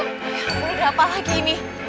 ya ampun udah apa lagi ini